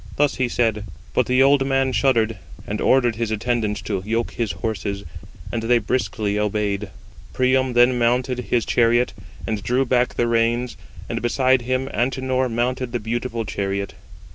Thus he said, but the old man shuddered, and ordered his attendants to yoke his horses; and they briskly obeyed. Priam then mounted his chariot, and drew back the reins: and beside him Antenor mounted the beautiful chariot.